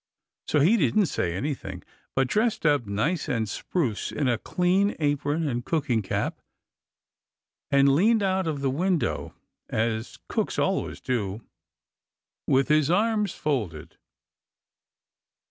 So he didn't say anything, but dressed up nice and spruce in a clean apron and cooking cap and leaned out of the window, as cooks always do, with his arms folded.